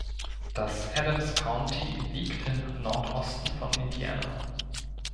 Das Adams County liegt in Nordosten von Indiana.